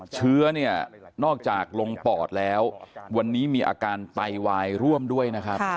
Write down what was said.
เชื้อเนี่ยนอกจากลงปอดแล้ววันนี้มีอาการไตวายร่วมด้วยนะครับ